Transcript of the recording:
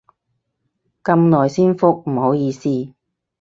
咁耐先覆，唔好意思